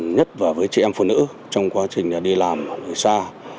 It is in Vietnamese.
nhất và với chị em phụ nữ trong quá trình đi làm ở nơi xa